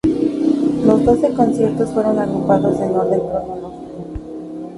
Los doce conciertos fueron agrupados en orden cronológico.